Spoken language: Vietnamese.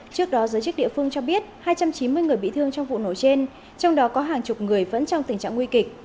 trước đó giới chức địa phương cho biết hai trăm chín mươi người bị thương trong vụ nổ trên trong đó có hàng chục người vẫn trong tình trạng nguy kịch